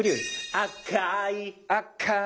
「赤い」「赤い」